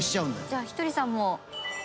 じゃあひとりさんも。